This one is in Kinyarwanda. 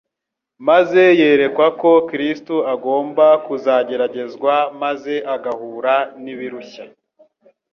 maze yerekwa ko Kristo agomba kuzageragezwa maze agahura n'ibirushya